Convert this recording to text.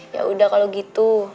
ya udah kalau gitu